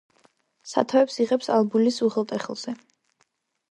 სათავეს იღებს ალბულის უღელტეხილზე.